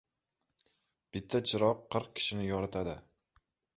• Bitta chiroq qirq kishini yoritadi.